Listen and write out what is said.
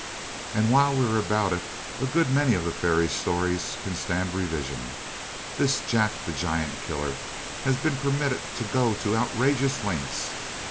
And while we are about it, a good many of the fairy stories can stand revision. This Jack the Giant Killer has been permitted to go to outrageous lengths.